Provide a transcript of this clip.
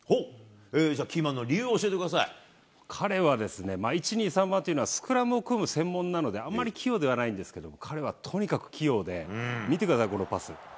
じゃあキーマンの理由を教え彼はですね、１、２、３番というのはスクラムを組む専門なので、あんまり器用ではないんですけども、彼はとにかく器用で、見てください、このパス。